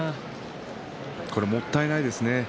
もったいないですね。